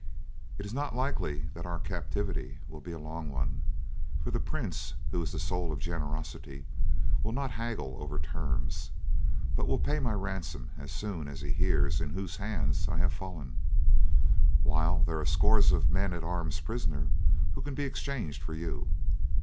It is not likely that our captivity will be a long one, for the prince, who is the soul of generosity, will not haggle over terms, but will pay my ransom as soon as he hears into whose hands I have fallen, while there are scores of men at arms prisoners, whom he can exchange for you.